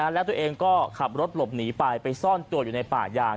แล้วตัวเองก็ขับรถหลบหนีไปไปซ่อนตัวอยู่ในป่ายาง